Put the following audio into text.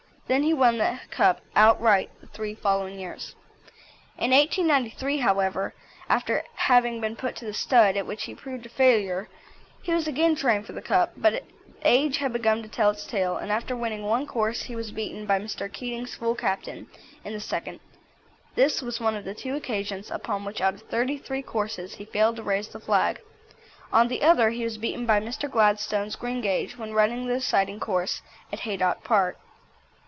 Then he won the Cup outright the three following years. In 1893, however, after having been put to the stud, at which he proved a failure, he was again trained for the Cup, but age had begun to tell its tale, and after winning one course he was beaten by Mr. Keating's Full Captain, in the second. This was one of the two occasions upon which out of thirty three courses he failed to raise the flag. On the other he was beaten by Mr. Gladstone's Greengage, when running the deciding course at Haydock Park.